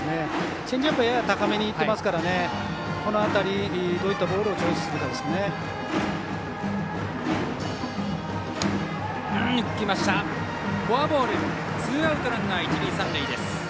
チェンジアップはやや高めにいっているのでこの辺りどういったボールをチョイスするかですね。